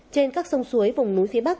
trên các sông suối vùng núi phía bắc